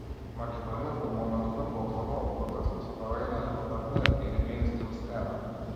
Македонија во моментов е повторно во процес на создавање на елементарна или меинстрим сцена.